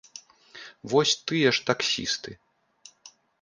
Вось тыя ж таксісты.